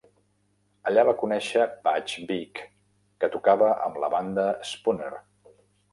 Allà va conèixer Butch Vig, que tocava amb la banda Spooner.